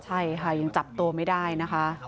ใช่ค่ะยังจับตัวไม่ได้นะคะ